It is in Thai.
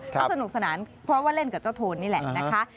ก็สนุกสนานเพราะว่าเล่นกับเจ้าโทนนี่แหละนะคะ